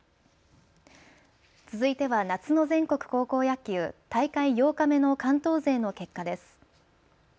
続いては夏の全国高校野球、大会８日目の関東勢の結果です。